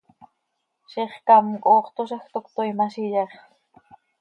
Zixcám quih hoox toozaj, toc cötoii ma, z iyexl.